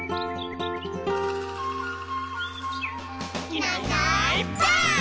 「いないいないばあっ！」